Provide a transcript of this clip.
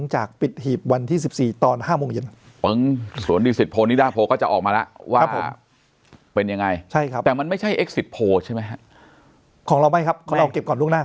ใช่ไหมฮะของเราไม่ครับของเราออกเก็บก่อนล่วงหน้า